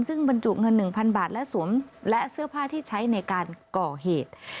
ซึ่งบรรจุเงิน๑๐๐๐บาทและสวมและเสื้อผ้าที่ใช้ในการก่อเหตุ